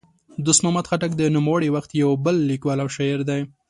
دوست محمد خټک د نوموړي وخت یو بل لیکوال او شاعر دی.